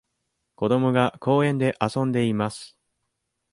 子どもが公園で遊んでいます。